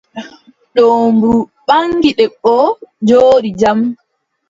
Doombru ɓaŋgi debbo, jooɗi jam.